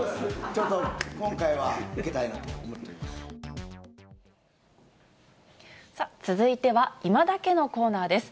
ちょっと、今回はウケたいな続いてはいまダケッのコーナーです。